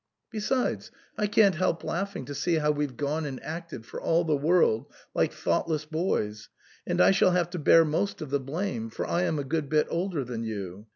Besides, I can't help laughing to see how we've gone and acted for all the world like thoughtless boys, and I shall have to bear most of the blame, for I am a good bit older than you.